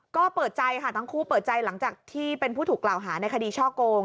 ก็เปิดใจค่ะทั้งคู่เปิดใจหลังจากที่เป็นผู้ถูกกล่าวหาในคดีช่อโกง